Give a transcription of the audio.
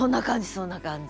そんな感じ。